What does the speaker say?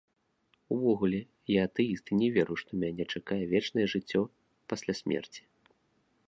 Увогуле, я атэіст і не веру, што мяне чакае вечнае жыццё пасля смерці.